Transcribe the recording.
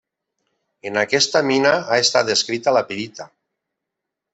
En aquesta mina ha estat descrita la pirita.